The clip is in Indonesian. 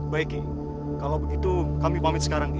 baik ki kalau begitu kami pamit sekarang ki